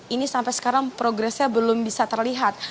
ini sampai sekarang progresnya belum bisa terlihat